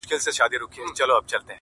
گراني بس څو ورځي لاصبر وكړه،